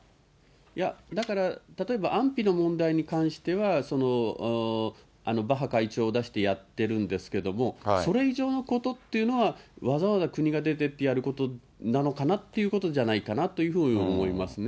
いや、だから例えば安否の問題に関しては、バッハ会長を出してやってるんですけれども、それ以上のことっていうのは、わざわざ国が出てってやることなのかなっていうことじゃないかなというふうに思いますね。